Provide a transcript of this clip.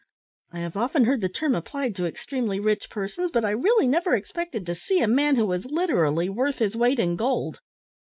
I have often heard the term applied to extremely rich persons, but I really never expected to see a man who was literally `worth his weight in gold.'"